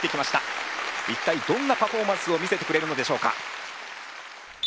一体どんなパフォーマンスを見せてくれるのでしょうか？